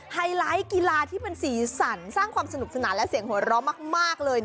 ไฮไลท์กีฬาที่เป็นสีสันสร้างความสนุกสนานและเสียงหัวเราะมากเลย